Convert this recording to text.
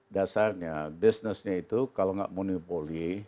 dasarnya bisnisnya itu kalau nggak monopoli